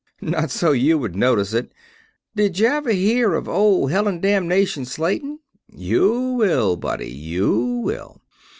"Not so you would notice it. Didn'cha ever hear of 'Hellandamnation' Slayton? You will, buddy, you will.